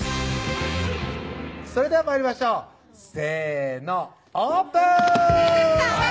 それでは参りましょうせのオープン！